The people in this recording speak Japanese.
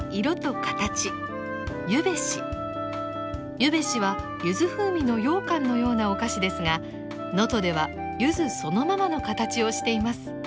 「ゆべし」は柚子風味のようかんのようなお菓子ですが能登では柚子そのままのカタチをしています。